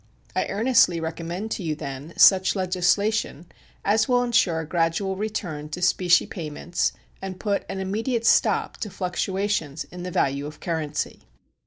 I earnestly recommend to you, then, such legislation as will insure a gradual return to specie payments and put an immediate stop to fluctuations in the value of currency.